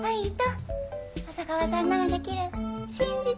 小佐川さんならできる信じてるよ。